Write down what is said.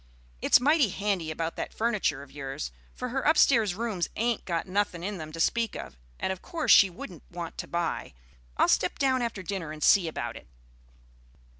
It's mighty handy about that furniture of yours, for her upstairs rooms ain't got nothing in them to speak of, and of course she wouldn't want to buy. I'll step down after dinner and see about it."